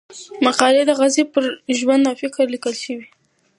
مقالې د غازي پر ژوند او فکر ليکل شوې وې.